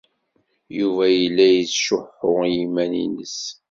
Yuba yella yettcuḥḥu i yiman-nnes.